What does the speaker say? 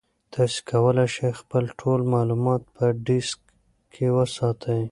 تاسي کولای شئ خپل ټول معلومات په ډیسک کې وساتئ.